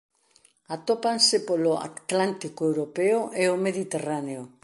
Atópanse polo Atlántico europeo e o Mediterráneo.